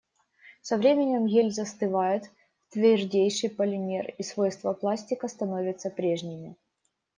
Со временем гель застывает в твердейший полимер, и свойства пластика становятся прежними.